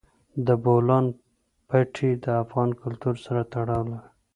د بولان پټي د افغان کلتور سره تړاو لري.